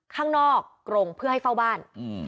ข้างนอกกรงเพื่อให้เฝ้าบ้าน